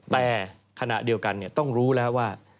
แต่ขณะเดียวกันต้องรู้แล้วว่า